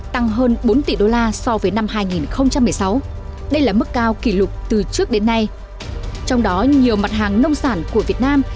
tăng hơn bốn tỷ đô la so với năm hai nghìn một mươi sáu đây là mức cao kỷ lục từ trước đến nay trong đó nhiều mặt hàng nông sản của việt nam